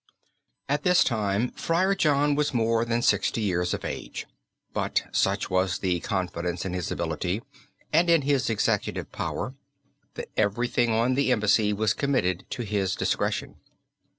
At this time Friar John was more than sixty years of age, but such was the confidence in his ability and in his executive power that everything on the embassy was committed to his discretion.